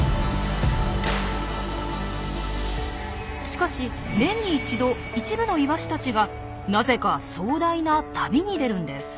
しかし年に一度一部のイワシたちがなぜか壮大な旅に出るんです。